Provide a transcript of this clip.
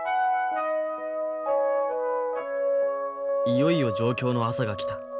いよいよ上京の朝が来た。